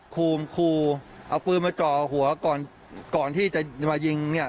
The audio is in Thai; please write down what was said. คูมคูเอาปืนมาจ่อหัวก่อนก่อนที่จะมายิงเนี่ย